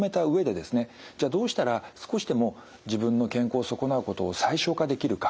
じゃあどうしたら少しでも自分の健康を損なうことを最小化できるか。